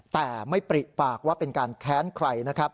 แต่ไม่ปริปากว่าเป็นการแค้นใครนะครับ